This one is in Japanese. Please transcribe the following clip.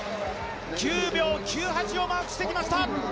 ９秒９８をマークしてきました。